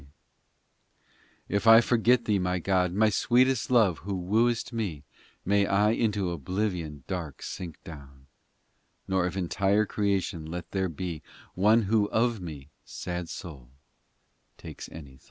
POEMS 309 XXII If I forget Thee, My God, my sweetest Love, Who wooest me, May I into oblivion dark sink down, Nor of entire creation let there be One who of me, sad soul, takes any thought